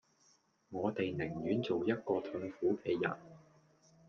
我地寧願做一個痛苦既人